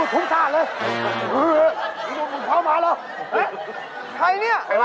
ปกตายมอบตายเลย